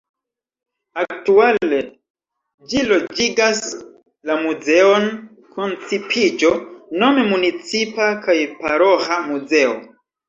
Aktuale ĝi loĝigas la Muzeon Koncipiĝo, nome municipa kaj paroĥa muzeo.